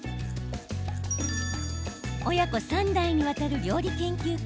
親子３代にわたる料理研究家